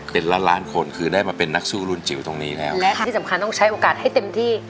เป็นล้านล้านคนคือได้มาเป็นนักสู้รุ่นจิ๋วตรงนี้แล้วและที่สำคัญต้องใช้โอกาสให้เต็มที่